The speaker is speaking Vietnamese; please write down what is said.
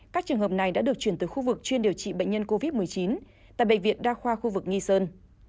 các trường hợp này đã được chuyển từ khu vực chuyên điều trị bệnh nhân covid một mươi chín tại bệnh viện đa khoa khu vực nghi sơn